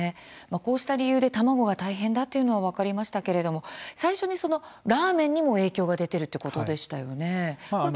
卵が大変だということは分かりましたが最初にラーメンにも影響出ているということでしたよね。